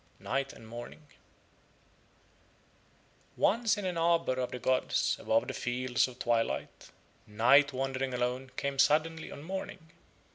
NIGHT AND MORNING Once in an arbour of the gods above the fields of twilight Night wandering alone came suddenly on Morning.